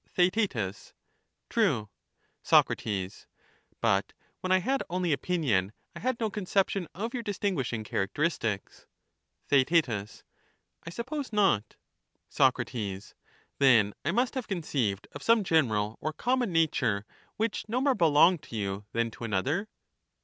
Theaet. True. Soc. But when I had only opinion, I had no conception of your distinguishing characteristics. Theaet. I suppose not. Soc. Then I must have conceived of some general or com mon nature which no more belonged to you than to another.